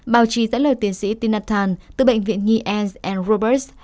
báo chí giãn lời tiến sĩ tina tan từ bệnh viện nhi ans roberts